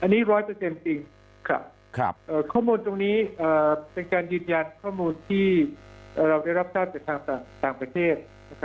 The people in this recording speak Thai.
อันนี้๑๐๐จริงครับข้อมูลตรงนี้เป็นการยืนยันข้อมูลที่เราได้รับทราบจากทางต่างประเทศ